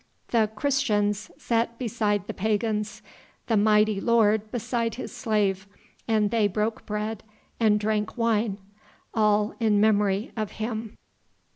The Christians sat beside the pagans, the mighty lord beside his slave, and they broke bread and drank wine, all in memory of Him.